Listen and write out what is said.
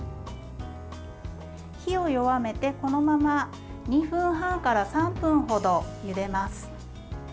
火を弱めて、このまま２分半から３分ほどゆでます。